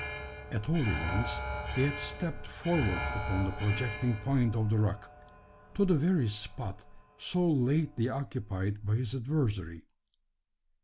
At all events he had stepped forward upon the projecting point of the rock to the very spot so lately occupied by his adversary.